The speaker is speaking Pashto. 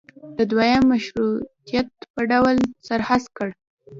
د دویم مشروطیت په ډول سر هسک کړ.